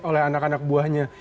oleh anak anak buahnya